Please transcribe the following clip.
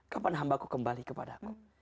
kapan hambaku kembali kepada aku